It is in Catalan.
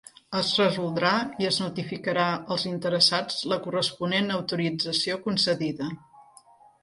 Es resoldrà i es notificarà als interessats la corresponent autorització concedida.